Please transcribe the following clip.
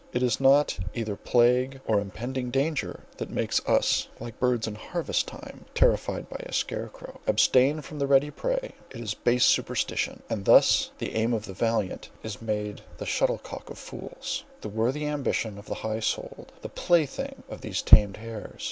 it is not either plague or impending danger that makes us, like birds in harvest time, terrified by a scarecrow, abstain from the ready prey—it is base superstition—And thus the aim of the valiant is made the shuttlecock of fools; the worthy ambition of the high souled, the plaything of these tamed hares!